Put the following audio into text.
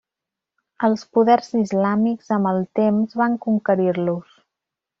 Els poders islàmics, amb el temps, van conquerir-los.